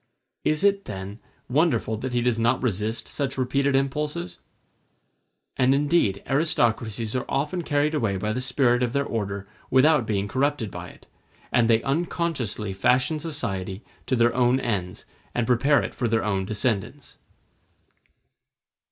Is it, then, wonderful that he does not resist such repeated impulses? And indeed aristocracies are often carried away by the spirit of their order without being corrupted by it; and they unconsciously fashion society to their own ends, and prepare it for their own descendants.